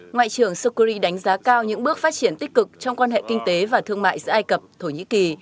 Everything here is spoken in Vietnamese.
ngoại trưởng sokuri đánh giá cao những bước phát triển tích cực trong quan hệ kinh tế và thương mại giữa ai cập thổ nhĩ kỳ